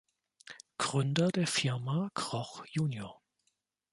Gründer der Firma Kroch jr.